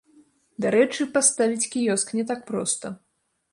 Дарэчы, паставіць кіёск не так проста.